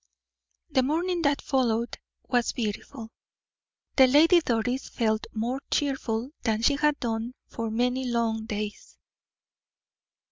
The morning that followed was beautiful. The Lady Doris felt more cheerful than she had done for many long days.